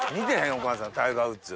お母さんタイガー・ウッズ。